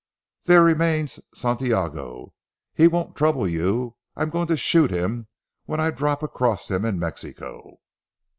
There remains Santiago. He won't trouble you. I'm going to shoot him when I drop across him in Mexico."